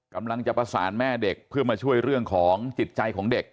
กำลังจะประสานแม่เด็กเพื่อมาช่วยเรื่องของจิตใจของเด็ก